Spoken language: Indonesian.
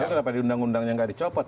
kenapa di undang undangnya tidak dicopot ya